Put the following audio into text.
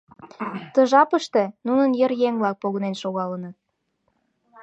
Ты жапыште нунын йыр еҥ-влак погынен шогалыныт.